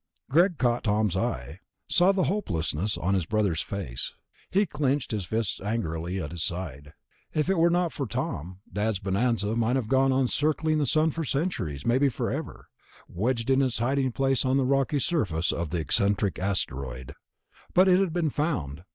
Greg caught Tom's eye, saw the hopelessness on his brother's face. He clenched his fists angrily at his side. If it were not for Tom, Dad's bonanza might have gone on circling the sun for centuries, maybe forever, wedged in its hiding place on the rocky surface of the eccentric asteroid. But it had been found.